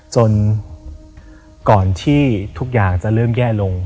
จนก่อนที่ทุกอย่างจะเริ่มแย่ลง